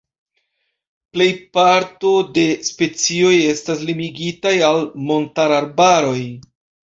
Plej parto de specioj estas limigitaj al montararbaroj.